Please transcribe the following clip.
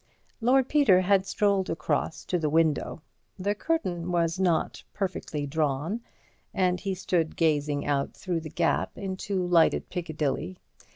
Lord Peter had strolled across to the window. The curtain was not perfectly drawn, and he stood gazing out through the gap into lighted Piccadilly.